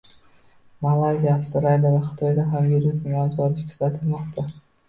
Malayziya, Avstraliya va Xitoyda ham virusning avj olishi kuzatilmoqda